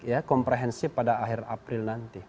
ya komprehensif pada akhir april nanti